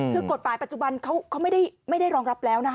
คือกฎหมายปัจจุบันเขาไม่ได้รองรับแล้วนะคะ